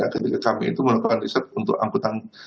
ketika kami itu melakukan riset untuk angkutan